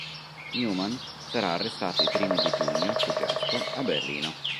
Newman sarà arrestato i primi di giugno, fuggiasco, a Berlino.